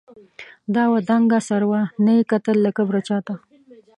دا وه دنګه سروه، نې کتل له کبره چاته